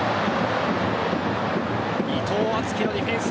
伊藤敦樹のディフェンス。